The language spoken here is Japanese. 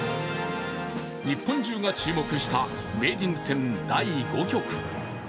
日本中が注目した名人戦第５局。